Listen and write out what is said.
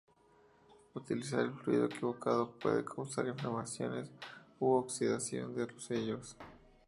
Utilizar el fluido equivocado puede causar la inflamación u oxidación de los sellos.